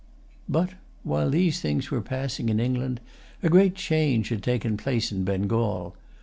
But, while these things were passing in England, a great change had taken place in Bengal.